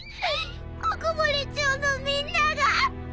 おこぼれ町のみんなが。